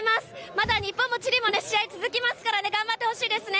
まだ日本もチリもね、試合続きますからね、頑張ってほしいですね。